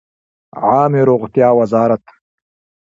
عامې روغتیا وزارت